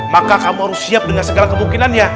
maka kamu harus siap dengan segala kemungkinannya